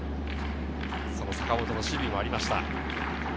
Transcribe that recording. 坂本の守備もありました。